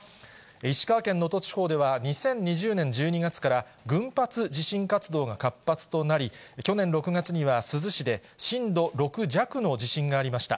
石川県能登地方では、２０２０年１２月から群発地震活動が活発となり、去年６月には、珠洲市で震度６弱の地震がありました。